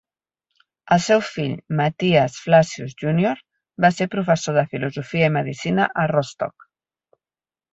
El seu fill, Matthias Flacius Junior, va ser professor de filosofia i medicina a Rostock.